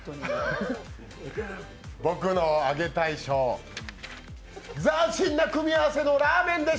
僕のあげたい賞、斬新な組み合わせのラーメンで賞。